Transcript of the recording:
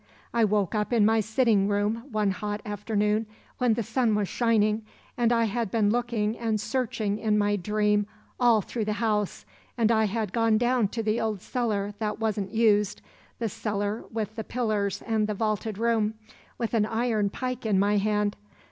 I woke up in my sitting room one hot afternoon when the sun was shining, and I had been looking and searching in my dream all through the house, and I had gone down to the old cellar that wasn't used, the cellar with the pillars and the vaulted room, with an iron pike in my hand.